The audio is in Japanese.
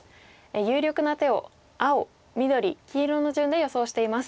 有力な手を青緑黄色の順で予想しています。